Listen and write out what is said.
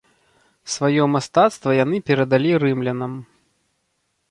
Сваё мастацтва яны перадалі рымлянам.